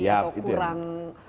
ekspresi atau kurang